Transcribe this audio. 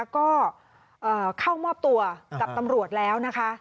ก็เข้ามอบตัวกับตำรวจแล้วนะคะ